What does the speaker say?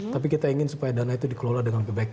tapi kita ingin supaya dana itu dikelola dengan baik